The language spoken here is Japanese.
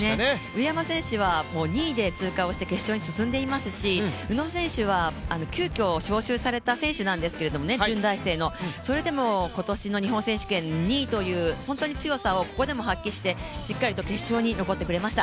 上山選手は２位で通過をして決勝に進んでいますし宇野選手は急きょ招集された選手なんですけど、順大生の。それでも今年の日本選手権２位という本当に強さを、ここでも発揮してしっかりと決勝に残ってくれました。